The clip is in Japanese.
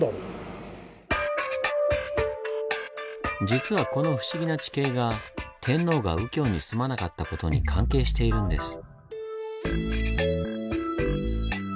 実はこの不思議な地形が天皇が右京に住まなかったことに関係しているんです。